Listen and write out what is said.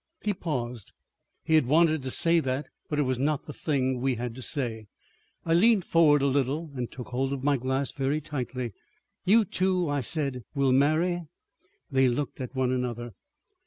He paused. He had wanted to say that, but it was not the thing we had to say. I leant forward a little and took hold of my glass very tightly. "You two," I said, "will marry?" They looked at one another.